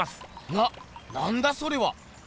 ななんだそれは。